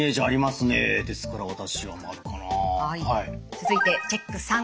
続いてチェック３。